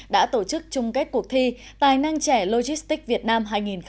đã tổ chức chung kết cuộc thi tài năng trẻ logistics việt nam hai nghìn một mươi chín